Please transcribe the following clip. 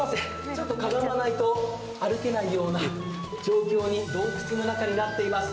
ちょっとかがまないと歩けないような状況、洞窟の中になっています。